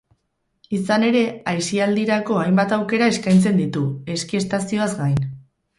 Izan ere, aisialdirako hainbat aukera eskaintzen ditu, eski estazioaz gain.